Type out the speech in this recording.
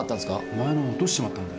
前の落としちまったんだよ。